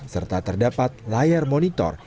serta terdapat layar monitor